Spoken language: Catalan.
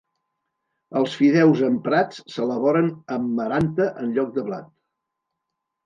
Els fideus emprats s'elaboren amb Maranta en lloc de blat.